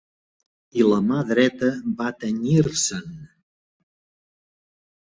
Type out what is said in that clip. ...i la mà dreta va tenyir-se'n.